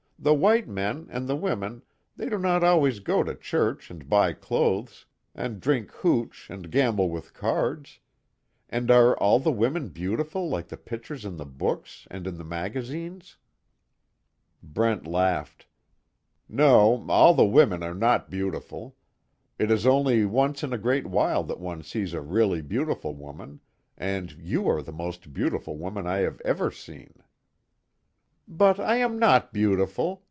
The white men, and the women, they do not always go to church and buy clothes, and drink hooch, and gamble with cards. And are all the women beautiful like the pictures in the books, and in the magazines?" Brent laughed: "No, all the women are not beautiful. It is only once in a great while that one sees a really beautiful woman, and you are the most beautiful woman I have ever seen " "But I am not beautiful!"